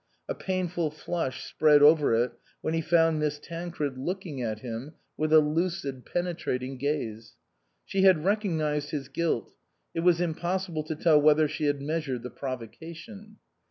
A painful flush spread over it when he found Miss Tancred looking at him with a lucid, penetrating gaze. She had recognised his guilt ; it was impossible to tell whether she had measured the provocation.